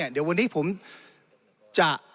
เดี๋ยววันนี้ผมจะ